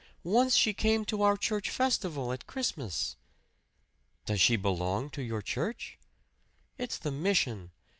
Once she came to our church festival at Christmas." "Does she belong to your church?" "It's the mission.